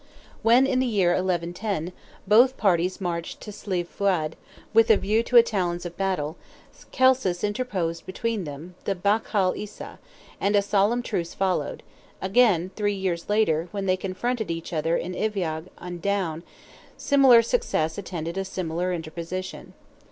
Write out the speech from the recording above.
When, in the year 1110, both parties marched to Slieve Fuaid, with a view to a challenge of battle, Celsus interposed between them the Bachall Isa—and a solemn truce followed; again, three years later, when they confronted each other in Iveagh, in Down, similar success attended a similar interposition.